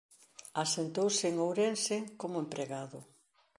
Asentouse en Ourense como empregado.